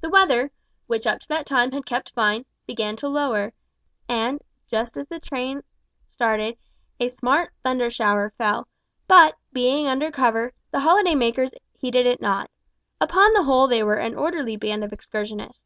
The weather, which up to that time had kept fine, began to lower, and, just as the train started, a smart thunder shower fell, but, being under cover, the holiday makers heeded it not. Upon the whole they were an orderly band of excursionists.